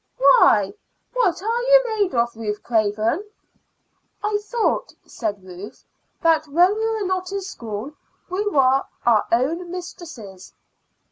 "Why, what are you made of, Ruth Craven?" "I thought," said Ruth, "that when we were not in school we were our own mistresses."